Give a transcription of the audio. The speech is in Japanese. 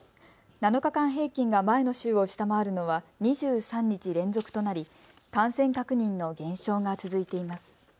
７日間平均が前の週を下回るのは２３日連続となり感染確認の減少が続いています。